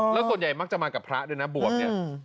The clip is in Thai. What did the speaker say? แล้วส่วนใหญ่มักจะมากับพระด้วยนะบวกเนี่ย